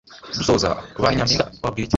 dusoza, ba ni nyampinga wababwira iki?